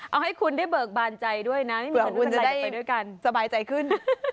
เอาให้คุณได้เบิกบานใจด้วยนะไม่มีของคุณจะได้ไปด้วยกันสบายใจขึ้น